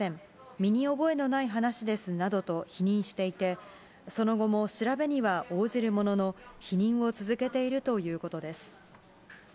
身に覚えのない話ですなどと否認していて、その後も調べには応じるものの、否認を続けているということです。